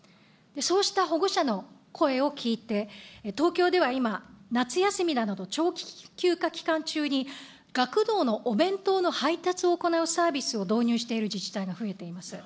そうした保護者の声を聞いて、東京では今、夏休みなど長期休暇期間中に、学童のお弁当の配達を行うサービスを導入している自治体が増えています。